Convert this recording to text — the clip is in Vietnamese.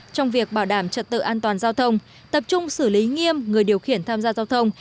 trong việc bảo đảm trật tự an toàn giao thông tập trung xử lý nghiêm người điều khiển tham gia giao thông